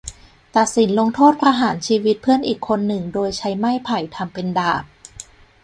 ตัดสินลงโทษประหารชีวิตเพื่อนอีกคนหนึ่งโดยใช้ไม่ไผ่ทำเป็นดาบ